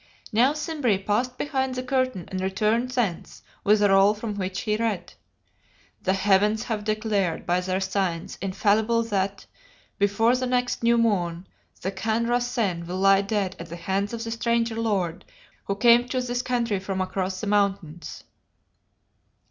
Now Simbri passed behind the curtain and returned thence with a roll from which he read: "The heavens have declared by their signs infallible that before the next new moon, the Khan Rassen will lie dead at the hands of the stranger lord who came to this country from across the mountains."